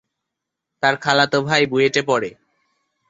তার খালাতো ভাই বুয়েটে পড়ে।